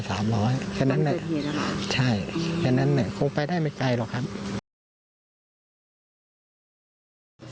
เบิกตังไป๓๐๐แค่นั้นเนี่ยแค่นั้นเนี่ยคงไปได้ไม่ไกลหรอกครับ